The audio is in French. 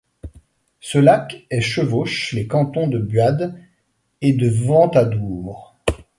Ce lac est chevauche les cantons de Buade et de Ventadour.